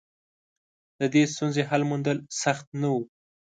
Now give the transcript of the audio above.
د دې ستونزې حل موندل سخت نه و.